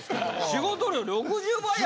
仕事量６０倍や。